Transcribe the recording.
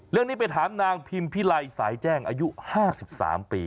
เรื่องนี้ไปถามนางพิมพิไลสายแจ้งอายุ๕๓ปี